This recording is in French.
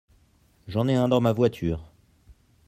J'en ai un dans ma voiture.